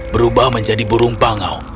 berubah menjadi burung bao'il